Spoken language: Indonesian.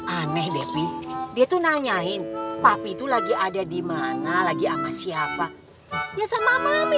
aneh depi dia tuh nanyain papi itu lagi ada dimana lagi sama siapa ya sama mama